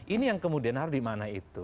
ini yang kemudian harus dimana itu